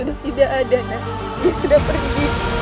tuhan yang terbaik